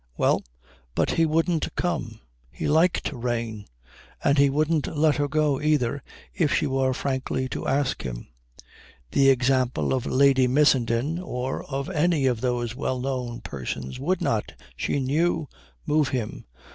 Well, but he wouldn't come; he liked rain; and he wouldn't let her go, either, if she were frankly to ask him to. The example of Lady Missenden or of any of those well known persons would not, she knew, move him.